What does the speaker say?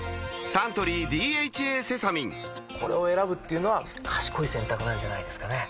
サントリー「ＤＨＡセサミン」これを選ぶっていうのは賢い選択なんじゃないんですかね